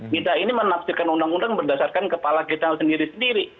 kita ini menafsirkan undang undang berdasarkan kepala kita sendiri sendiri